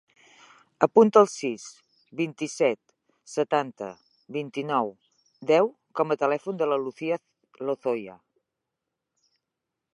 Apunta el sis, vint-i-set, setanta, vint-i-nou, deu com a telèfon de la Lucía Lozoya.